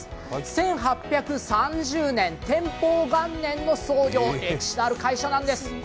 １８３０年、天保元年の創業、歴史のある会社なんです。